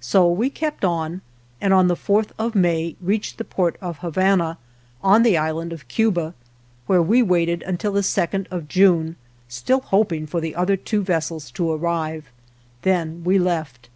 So we kept on, and on the fourth of May reached the port of Habana, on the Island of Cuba, where we waited until the second of June, still hoping for the other two vessels to arrive. Then we left.